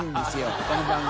この番組。